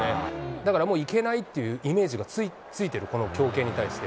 だからもういけないっていうイメージがついてる、この強肩に対して。